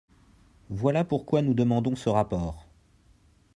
Voilà pourquoi nous demandons ce rapport.